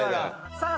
さあ